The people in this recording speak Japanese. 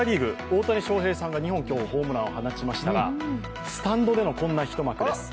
大谷翔平さんが２本今日、ホームランを放ちましたがスタンドでのこんな一幕です。